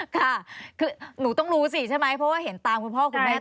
ค่ะคือหนูต้องรู้สิใช่ไหมเพราะว่าเห็นตามคุณพ่อคุณแม่